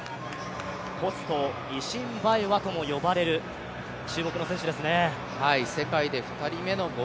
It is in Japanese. ポスト・イシンバエワと言われる注目の選手ですね。